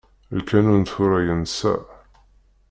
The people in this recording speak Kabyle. Lkanun tura yensa.